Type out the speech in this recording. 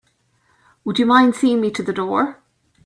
Would you mind seeing me to the door?